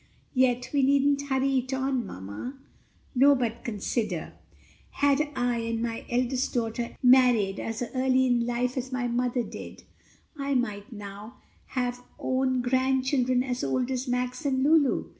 "Yet we needn't hurry it on, mamma." "No; but consider; had I and my eldest daughter married as early in life as my mother did I might now have own grandchildren as old as Max and Lulu.